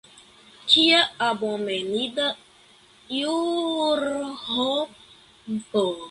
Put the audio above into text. Kia abomeninda ĵurrompo!